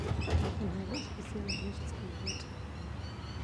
Davon habe ich bisher noch nichts gehört.